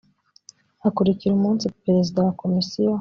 akurikira umunsi perezida wa komisiyo